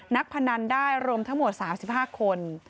พนันได้รวมทั้งหมด๓๕คน